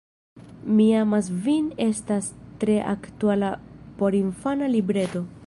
Mi amas vin estas tre aktuala porinfana libreto.